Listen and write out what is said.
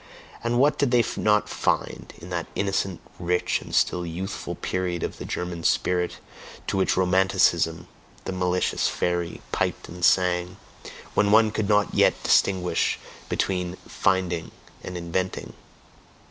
And what did they not find in that innocent, rich, and still youthful period of the German spirit, to which Romanticism, the malicious fairy, piped and sang, when one could not yet distinguish between "finding" and "inventing"!